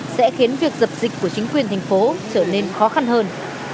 sẽ khiến việc dập dịch của chính quyền thành phố trở nên khó khăn hơn